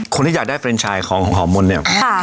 คนที่อยากได้เฟรนชายของของขอมมนต์เนี้ยค่ะค่ะ